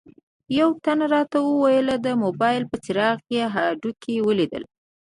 یوه تن راته وویل د موبایل په څراغ یې هډوکي ولیدل.